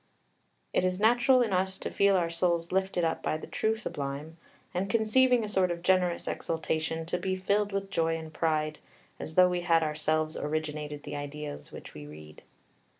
"It is natural in us to feel our souls lifted up by the true Sublime, and, conceiving a sort of generous exultation, to be filled with joy and pride, as though we had ourselves originated the ideas which we read."